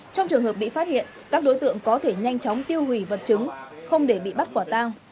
trong trường hợp bị phát hiện các đối tượng có thể nhanh chóng tiêu hủy vật chứng không để bị bắt quả tang